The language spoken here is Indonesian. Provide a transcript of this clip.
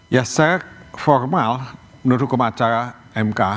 ya secara formal menurut hukum acara mk